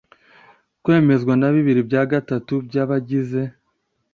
kwemezwa na bibiri bya gatatu by abagize